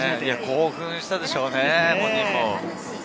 興奮したでしょうね、本人も。